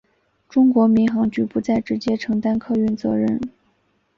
中国民航局不再直接承担客运职责。